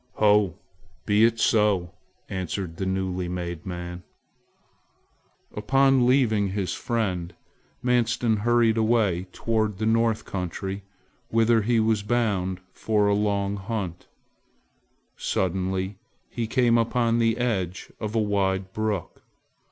"Ho! Be it so!" answered the newly made man. Upon leaving his friend, Manstin hurried away toward the North country whither he was bound for a long hunt. Suddenly he came upon the edge of a wide brook.